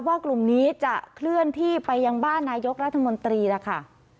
ว่ากลุ่มนี้จะเคลื่อนที่ไปยังบ้านนายกรัฐมนตรีล่ะค่ะ